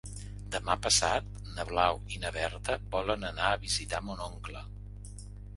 Demà passat na Blau i na Berta volen anar a visitar mon oncle.